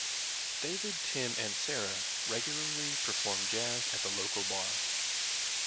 David, Tim and Sarah regularly perform jazz at the local bar.